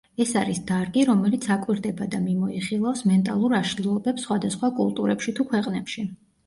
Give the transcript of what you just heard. ეს არის დარგი, რომელიც აკვირდება და მიმოიხილავს მენტალურ აშლილობებს სხვადასხვა კულტურებში თუ ქვეყნებში.